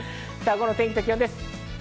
午後の天気と気温です。